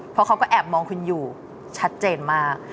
เพราะเขาก็แอบมองคุณอยู่ชัดเจนมาก